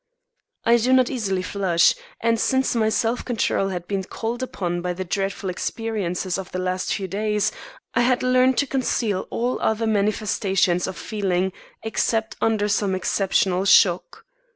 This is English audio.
I do not easily flush, and since my self control had been called upon by the dreadful experiences of the last few days, I had learned to conceal all other manifestations of feeling except under some exceptional shock.